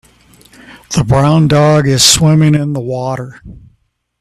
The brown dog is swimming in the water